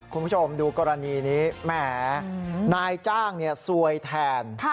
คุณผู้ชมดูกรณีนี้แหมนายจ้างซวยแทน